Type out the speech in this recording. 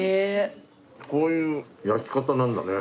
こういう焼き方なんだね。